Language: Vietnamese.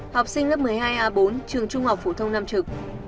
học sinh lớp một mươi hai a bốn trường trung học phổ thông nam trực